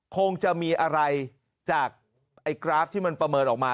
คงจะมีอะไรจากไอ้กราฟที่มันประเมินออกมา